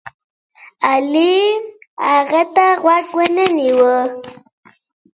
هغه د خلکو د خوشالولو لارې زده کوي.